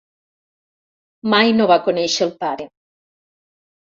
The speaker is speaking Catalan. Mai no va conèixer el pare.